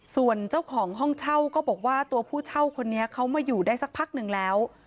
ส่วนเจ้าของห้องเช่าก็บอกว่าตัวผู้เช่าคนนี้เขามาอยู่ได้สักพักหนึ่งแล้ว